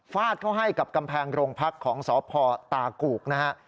ฟาดเข้าให้กับกำแพงโรงพักของสพตากูกนะฮะ